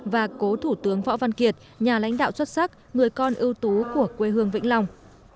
và cố thủ tướng võ văn kiệt nhà lãnh đạo xuất sắc người con ưu tú của quê hương vĩnh long